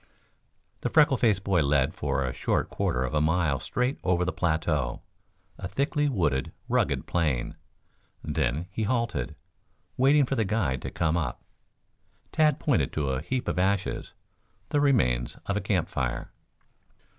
The freckle faced boy led for a short quarter of a mile straight over the plateau, a thickly wooded, rugged plain. Then he halted, waiting for the guide to come up. Tad pointed to a heap of ashes, the remains of a campfire.